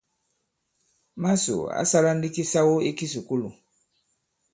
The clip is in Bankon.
Màsò ǎ sālā ndī kisawo ī kisùkulù.